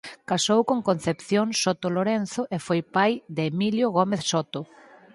Casou con Concepción Soto Lorenzo e foi pai de Emilio Gómez Soto.